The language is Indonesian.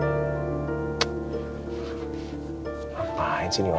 kalo kita ke kantor kita bisa ke kantor